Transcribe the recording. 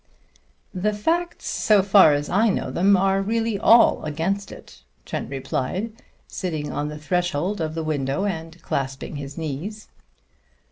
"The facts, so far as I know them, are really all against it," Trent replied, sitting on the threshold of the window and clasping his knees.